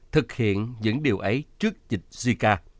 thực hiện những điều ấy trước dịch zika